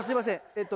えっと。